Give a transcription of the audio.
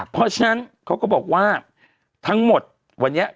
เพราะฉะนั้นเขาก็บอกว่าทั้งหมดวันนี้